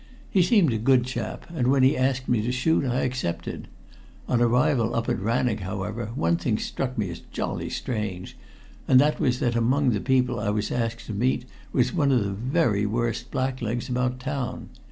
He seemed a good chap, and when he asked me to shoot I accepted. On arrival up at Rannoch, however, one thing struck me as jolly strange, and that was that among the people I was asked to meet was one of the very worst blacklegs about town.